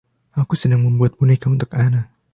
Aku sedang membuat boneka untuk Anna.